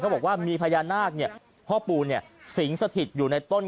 บอกว่ามีพญานาคพ่อปู่สิงสถิตอยู่ในต้น